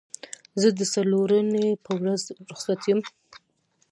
زه د څلورنۍ په ورځ روخصت یم